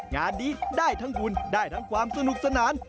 งานนี้ได้ทั้งบุญได้ทั้งความสนุกสนาน